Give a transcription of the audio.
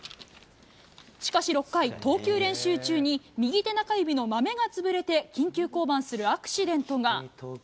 しかし６回、投球練習中に、右手中指のまめがつぶれて、緊急降板するアクシデントが。